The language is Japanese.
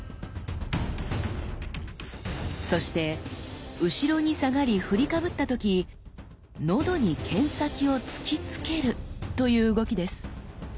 そして後ろに下がり振りかぶった時喉に剣先をつきつけるという動きです。